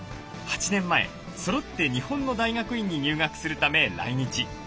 ８年前そろって日本の大学院に入学するため来日。